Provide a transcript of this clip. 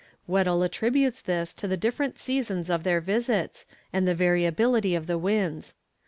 Weddell attributes this to the different seasons of their visits, and the variability of the winds.